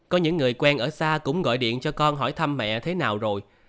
có những người quen ở xa cũng gọi điện cho con hỏi thăm mẹ thế nào rồi